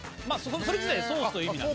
それ自体がソースという意味なんで。